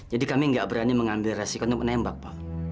jadi kami nggak berani mengambil resiko untuk menembak pak